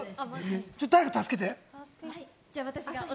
誰か助けて！